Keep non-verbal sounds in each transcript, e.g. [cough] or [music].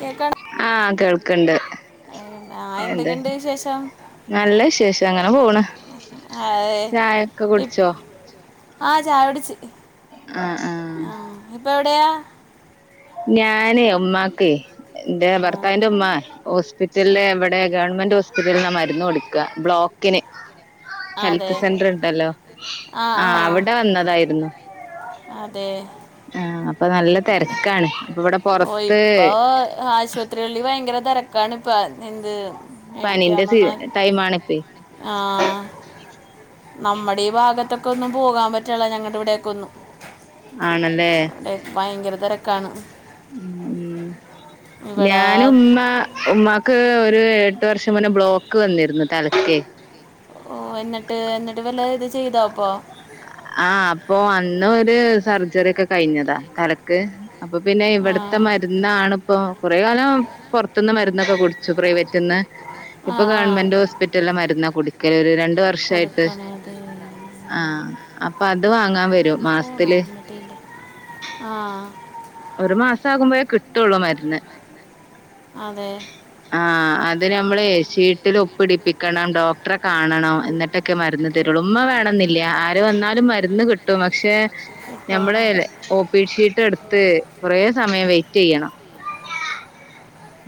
കേക്കാണ് ആഹ് കേൾക്ക്ണ്ട്. ആ എന്താ എന്തൊക്കെയുണ്ട് വിശേഷം നല്ല വിശേഷം അങ്ങനെ പോണ്. ആ, ചായൊക്കെ കുടിച്ചോ? ആഹ് ചായ കുടിച്ച്. ആഹ് ആഹ് ആഹ് ഇപ്പൊ എവിടെയാ? ഞാന് ഉമ്മാക്ക് എന്റെ ആ, ഭർത്താവിന്റെ ഉമ്മാ. ആ, ഹോസ്പിറ്റലിലെ ഇവിടെ ഗവൺമെന്റ് ഹോസ്പിറ്റലന്നാ മരുന്ന് കൊടുക്ക ബ്ലോക്കിന്. ഹെൽത്ത് അതെ സെന്റർ ഇണ്ടല്ലോ ആ ആ ആഹ് അവിടെ വന്നതായിരുന്നു. അതെ ആഹ് അപ്പൊ നല്ല തെരക്കാണ്. ഓ ഇപ്പൊ ആശുപത്രികളിൽ ഭയങ്കര തെരക്കാണിപ്പൊ എന്ത് പനിന്റെ സി ടൈമാണ്. ആഹ് നമ്മടെ ഈ ഭാഗത്തൊക്കെ ഒന്നും പോകാൻ പറ്റുള്ള ഞങ്ങളുടെ ഇവിടെയൊക്ക ഒന്നും. ആണല്ലേ. അവിടെ ഭയങ്കര തെരക്കാണ്. ഉം ഉം ഞാന് ഇവിടെ ഉമ്മ. ഉമ്മാക്ക് ഒരു എട്ട് വർഷം മൂന്നെ ബ്ലോക്ക് വന്നിരുന്നു തലക്കെ. ഓ എന്നിട്ട് എന്നിട്ട് വല്ല ഇത് ചെയ്തോപ്പോ? ആഹ് അപ്പൊ അന്ന് ഒരു സർജറി ഒക്കെ കഴിഞ്ഞതാ തലക്ക്. അപ്പൊ പിന്നെ ആ ഇവിടേത്തെ മരുന്നണിപ്പൊ കുറേ കാലം പൊറത്തുന്ന് മരുന്നൊക്കെ കുടിച്ചു പ്രൈവറ്റന്ന് ആ ഇപ്പൊ ആ ഗവൺമെന്റ് ഹോസ്പിറ്റലിലെ മരുന്ന കുടിക്കല് ഒരു രണ്ട് വർഷയിട്ട് കൊടുക്കണത് ആഹ്. അപ്പൊ അത് വാങ്ങാൻ വരും. മാസത്തില് [unintelligible] ആഹ്. ഒരു മാസ ആകുമ്പോഴേ കിട്ടോള്ളൂ മര്ന്ന് അതെ ആഹ് അത് നമ്മള്ഷീട്ടിൽ ഒപ്പിടിപ്പിക്കണം ഡോക്ടറെ കാണണം എന്നി ട്ടക്കെ മരുന്ന് തരുള്ളു ഉമ്മ വേണെന്നില്ല ആര് വന്നാലും മര്ന്ന് കിട്ടും പക്ഷെ കേട്ടോ ഞമ്മള് ഓപി ഷീട്ട് എട് ത്ത് കൊറേ സമയം വെയ്റ്റെയ്യണം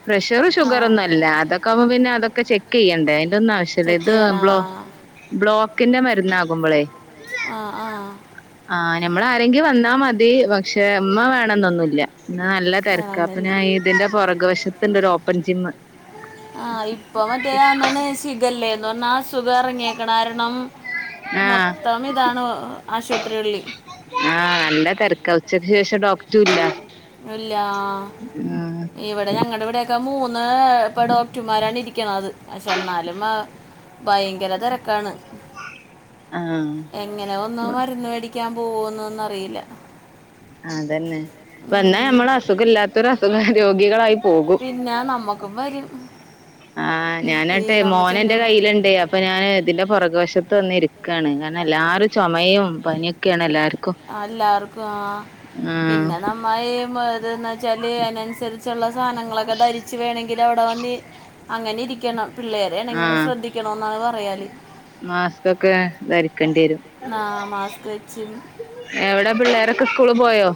പ്രഷ റ് ആ ഷുഗറോന്നും അല്ല അതൊക്കെകുമ്പോ പിന്നെതൊക്കെ ചെക്ക് ചെയ്യണ്ടേ അതിന്റെ ഒന്നും ആശ്യമില്ല ചെക്ക് ഇത് ചെയ്യണ ബ്ലോ ബ്ലോക്കിന്റെ മരുന്നാകുമ്പളെ അഹ് ആഹ് ആഹ് നമ്മളാരെങ്കും വന്നാ മതി പക്ഷെ ഇമ്മ വേണന്നൊന്നുല്ല ഇന്ന് നല്ല തെരക്ക അപ്പ ഞാ വേണമെന്നില്ല ഇതിന്റെ പുറക് വശത്ത്ണ്ട് ഒരു ഓപ്പൺ ജിംമ്മ് ആഹ് ഇപ്പ മറ്റേന്നാണ് ഷിഖല്ലേ പറഞ്ഞാ അസുഖം ഇറങ്ങിയേക്കണ കാരണം ആഹ് മൊത്തം ഇതാണ് ആശുപത്രികളില് ആഹ് നല്ല തെരക്ക ഉച്ചയ്ക്ക് ശേഷം ഡോക്ടുല്ല ഇല്ല ആഹ് ഇവടെ ഞങ്ങളടെവിടെ പ്പെ മൂന്ന് ഇപ്പൊ ഡോക്ടർമാരാണ് ഇരിക്കണത് പക്ഷെ എന്നാലും ആഹ് ഭയങ്കര തെരക്കാണ് ആഹ് ആഹ് എങ്ങനെ വന്ന് മരുന്ന് മേടി ക്കാൻ പോകുന്നോന്നറിയില്ല അതന്നെ വന്നാ നമ്മള് അസുഖം ഇല്ലാത്തരു അസുഖ രോഗികളായി പോകും പിന്നെ നമ്മക്കും വരും ആഹ് ഇപ്പ ഈ ഞാനട്ടെ നമ്മ മോന് ന്റെ ചെല്ലുമ്പോ കയ്യില്ണ്ടേ അപ് അപ്പൊ ഞാൻ ഇതിന്റെ പോറക് വശത്ത് വന്ന് ഇരിക്യാണ് കാരണം എല്ലാവരും ചുമയും പനിയൊക്കെയാണ് എല്ലാർക്കും എല്ലാർക്കും ആഹ് ആഹ് പിന്നെ നമ്മ ഈ [unintelligible] ച്ചാല് അതിനനുസരിച്ച്ള്ള സാധനങ്ങളൊക്കെ ധരിച്ച് വേണമെങ്കിൽ അവിടെ വന്ന് അങ്ങനെ ഇരിക്കണം പിള്ളേരെേണെങ്കിലും ശ്രദ്ധിക്കണോന്നാണ് പറയാല് മാസ്ക്ക്കോക്കെ ധരി ആഹ് മാസ്ക് വെച്ച് എവിടെ പിള്ളേരൊക്കെ സ്കൂള് പോയോ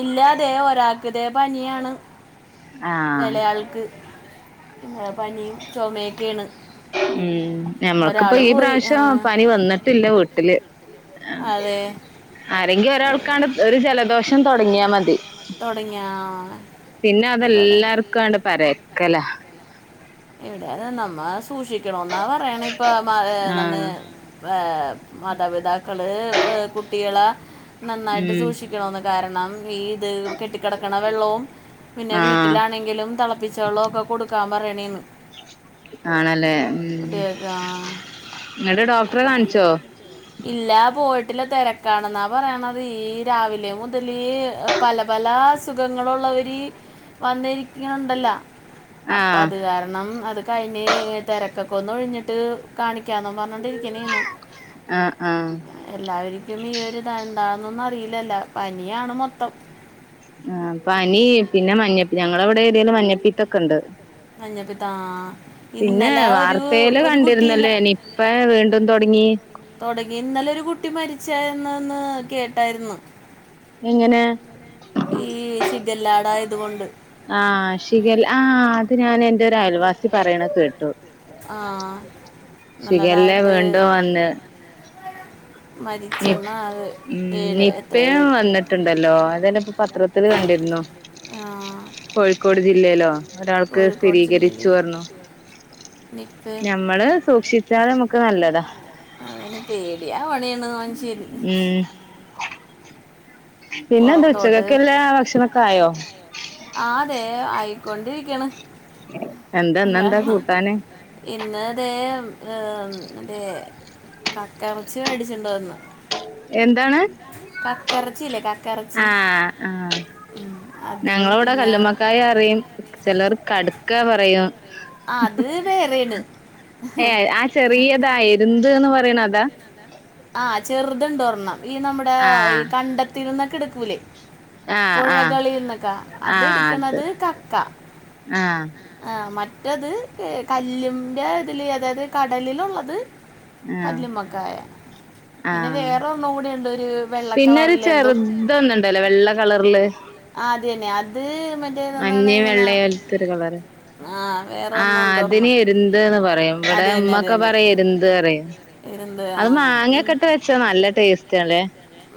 ഇല്ലാ തെ ഒരാക്ക്തെ പനിയാണ് ആഹ് ഇളെയാൾക്ക് പനി ചുമയൊക്കെണ് ഉം ഞമ്മക്കിപ്പോ ഈ പ്രാവശ്യം പനി വന്നിട്ടില്ല വീട്ടില് അതെ ആരെങ്കി എവിടെ ഒരാൾക്കാണ് ഒരു ജലദോഷം തോടങ്ങിയാ മതി തോടങ്ങി ഇവടെ ക്കണ്ട് പരക്കല ഇവിടെന്ന് നമ്മ സൂക്ഷിക്കണോന്നാ പറയ്ണെ ഇപ്പൊ ആഹ് [unintelligible] ഏ മാതാപിതാക്കള് കുട്ടികളെ നന്നായിട്ട് ഉം സൂക്ഷി ക്കണോന്ന് കാരണം ഈ ത് കെട്ടിക്കെടക്ക്ണ വെള്ളവും പിന്നെ ആഹ് വീട്ടിലാണെങ്കിലും തെളപ്പിച്ച വെള്ളം ഒക്കെ കൊട്ക്കാൻ പറയണേന്ന് ആണ് ലേ ഉം കുട്ടികൾക്ക് ആ. ഇന്നെട്ട് ഡോക്ടറെ കാണിച്ചോ ഇല്ല പോയിട്ടില്ല തെരക്കാണ്ന്നാ പറയ്ണത് ഈ രാവിലെ മുതല് പല പല അസുഖങ്ങള് ഉള്ളവര് വന്നിരിക്ക്ന്ന്ണ്ടല്ലോ അപ്പ ആഹ് അത് കാരണം അത് കഴിഞ്ഞ് തെരക്കൊക്കെ ഒന്ന് ഒഴിഞ്ഞിട്ട് കാണിക്കാന്ന് പറഞ്ഞോണ്ടിരി ക്ക്ണേണ് ആഹ് ആഹ് എല്ലാവരിക്കും ഈ ഒരിത് എന്താന്നൊന്നും അറിയില്ലല്ലോ പനിയാണ് മൊത്തം ആഹ് പനി പിന്നെ മഞ്ഞപ്പി ഞങ്ങളെ ഇവിടെ ഏരിയല് മഞ്ഞപ്പിത്തൊക്കെണ്ട് മഞ്ഞപ്പിത്താ പിന്നെ ഇന്നലെ ഒരു വാർത്തേല് ഒരു കുട്ടി കണ്ടിര്ന്നല്ലേ നിപ്പ വീണ്ടും തോടങ്ങി തൊടങ്ങി ഇന്നലെ ഒരു കുട്ടി മരിച്ചായിന്ന്ന്ന് കേട്ടായിരുന്നു എങ്ങനെ? എങ്ങനെ ഈ ഷിഗല്ലാടായത് കൊണ്ട് ആഹ് ഷിഗൽ ആഹ് അത് ഞാൻ എന്റെ ഒരു അയൽവാസി പറയ്ണ കേട്ടു ആ ഷിഗല്ല നല്ലതായിട്ട് വീണ്ടും വന്ന് നിം മരിച്ചെന്ന ആള് ഏഴ് എത്ര നിപ്പെ ഏഴ് വ ന്ന്ട്ട്ണ്ടല്ലോ അതന്നെ ഇപ്പൊ പത്രത്തില് കണ്ടിരുന്നു ആ കോഴിക്കോട് ജില്ലയിലോ ഒരാൾക്ക് കോഴിക്കോട് ജില്ലയിൽ സ്ഥിരീകരിച്ചു പറഞ്ഞു നിപ്പയും ഞമ്മള് സൂക്ഷിച്ചാല് നമക്ക് നല്ലതാ അതെന്നെ പേടിയാവ്ണേന്ന് മൻഷ്യന് ഉം പിന്നെന്താ പുറത്തോട്ട് ഉച്ചകക്ക്ള്ളെ ഭക്ഷണൊക്കെ ആയോ ആഹ് തെ ആയിക്കൊണ്ടിരിക്ക്ണ് എന്താ എല്ലാ ഇന്നെന്താ കൂട്ടാന് ഇന്ന് തേം ഉം തെ കക്കറച്ചി മേടിച്ചോണ്ട് വന്ന് എന്താണ് കക്കറച്ചില്ലേ ക ആഹ് ആഹ് അത് ഞങ്ങളെ ഇവിടെ പിന്നെ കല്ലുമ്മക്കായ പറയും ചെലൊര് കട്ക്കാ പറയും അത് വേറെയാണ് ഏ ആ ചെറിയതാ എര്ന്ത്ന്ന് പറയ്ണതാ ആഹ് ചെറ്ത്ണ്ട് ഒരെണ്ണം ഈ നമ്മടെ ഈ ആഹ് കണ്ടത്തില്ന്നൊക്കെ എട്ക്കൂലേ ആഹ് ആഹ് പുഴകളിന്നൊക്കെ ആഹ് അത് അതെട്ക്ക്ണത് കക്ക ആഹ് ആഹ് മറ്റത് കല്ലിന്റെ ഇതില് അതായത് കടലിലുള്ളത് ആഹ് കല്ലുമ്മക്കായ പിന്നെ ആഹ് വേറെ ഒരെണ്ണം കൂടി ഉണ്ട് ഒരു വെള്ള പിന്നൊരു കളറിൽ എന്തോ ചെറ്തൊന്നുണ്ടല്ലോ വെള്ള കളറില് അതെന്നെ അത് മ മഞ്ഞയും വെള്ളയോല്ത്തൊര് കളറ് ആഹ് വെ ആഹ് അതിന് എര്ന്ത്ന്ന് പറയും ഇവിടെ ഉമ്മൊക്കെ പറയും എര്ന്ത് പറയും എരുന്ത്‌ ആഹ് ഇ പക്ഷെ നല്ല ടേസ്റ്റാലേ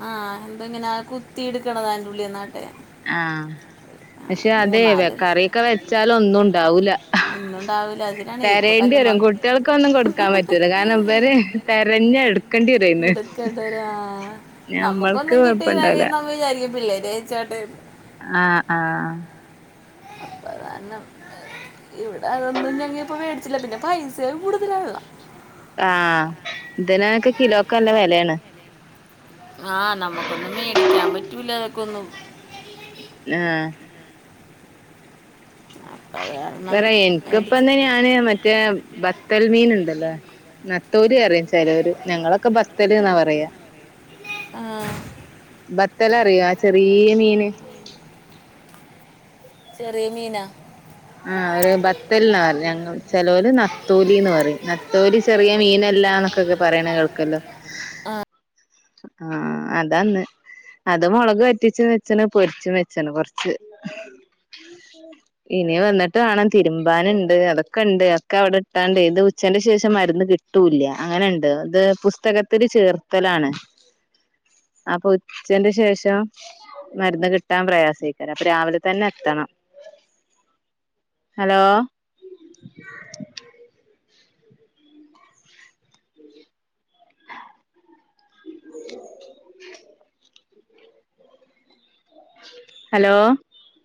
ആഹ് എന്താ ഇങ്ങനെ കുത്തിട്ക്ക്ണതാ അയിന്റെ ഉള്ളി വെന്നാട്ട് ആഹ് പക്ഷെ അതെ കറിയൊക്കെ വെച്ചാല് ഒന്നും ഉണ്ടാവൂല ഒന്നും ഉണ്ടാവില്ല അതിനാണ് ഇപ്പൊ തെരേണ്ടി കല്ലുമ്മ വരും കുട്ട്യേള്ക്കൊന്നും കൊട്ക്കാൻ പറ്റൂല്ല കാരണം ഇവര് തെരഞ്ഞ ഇട്ക്കേണ്ടി വെരും ആഹ് ഞമ്മൾക്ക് നമുക്കൊന്നും കിട്ടില്ലേങ്കി കൊഴപ്പണ്ടാവൂല നമ്മള് വിചാരിക്കും പിള്ളേര് കഴിച്ചോ ആഹ് ആഹ് അപ്പതാരണം ഇവിടെ അതൊന്നും ഞങ്ങപ്പ മേടിച്ചില്ല പിന്നെ പൈസയും കൂടുതലാ ണള്ള ആഹ് ഇതിനൊക്കെ കിലോക്കല്ല വെലയേണ് ആഹ് നമ്മുക്കൊന്നും മേടിക്കാൻ പറ്റൂല്ല അതൊക്കെ ഒന്നും ആഹ് അപ്പത വേറെ എനിക്കിപ്പം ഞാൻ മറ്റേ ബത്തൽ മീൻ ണ്ടലോ നത്തോലി പറയും ചെലോര് ഞങ്ങളൊക്കെ ബത്തല് എന്നാ പറയാ ആ ബത്തലറിയോ ചെറിയ മീന് ചെറിയ മീന ആഹ് ഒരോ ബത്തൽ ന്നാ പറ ഞങ്ങള് ചെലോൽ നത്തോലീന്ന് പറീം നത്തോലി ചെറിയ മീനല്ലാന്നൊക്കെ പറയണ കേൾക്കല്ലോ ആഹ് ആഹ് അതാന്ന് അത് മുളക് വറ്റിച്ച് വെച്ചണ് പൊരിച്ച് വെച്ചണ് കൊറച്ച് ഇനി വന്നിട്ട് വാണം തിരുമ്പാന്ണ്ട് അതൊക്കെ ഉണ്ട് ഒക്കെ അവിടെ ഇട്ടാണ്ട് ഇത് ഉച്ചന്റെ ശേഷം മരുന്ന് കിട്ട കിട്ടൂല്ല അങ്ങനെയുണ്ട് ഇത് പുസ്തകത്തിൽ ചേർത്തലാണ് അപ്പൊ ഉച്ചന്റെ ശേഷം മരുന്ന് കിട്ടാൻ പ്രയാസയ്ക്കാരം അപ്പൊ രാവിലെ തന്നെ എത്തണം ഹലോ ഹലോ